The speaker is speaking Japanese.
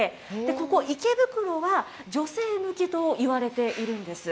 ここ、池袋は女性向けといわれているんです。